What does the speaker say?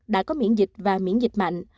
đã có miễn dịch và miễn dịch mạnh